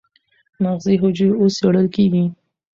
مغزي حجرې اوس څېړل کېږي.